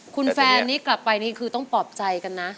คุณแฟนนี้กลับไปนี่คือต้องปลอบใจกันนะ